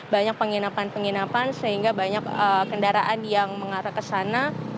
banyak penginapan penginapan sehingga banyak kendaraan yang mengarah ke sana